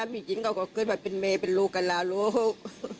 มีหญิงก็ขอขึ้นมาเป็นเมย์เป็นลูกกันล่ะลูก